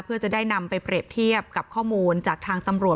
เพื่อจะได้นำไปเปรียบเทียบกับข้อมูลจากทางตำรวจ